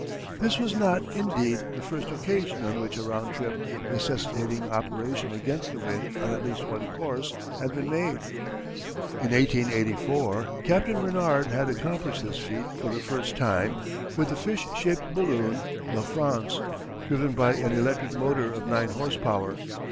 This was not, indeed, the first occasion on which a round trip, necessitating operation against the wind on at least one course, had been made. In 1884 Captain Renard had accomplished this feat for the first time with the fish shaped balloon La France, driven by an electric motor of nine horse power.